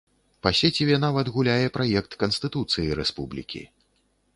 Па сеціве нават гуляе праект канстытуцыі рэспублікі.